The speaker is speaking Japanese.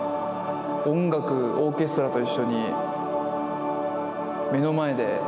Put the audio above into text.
音楽オーケストラと一緒に目の前で。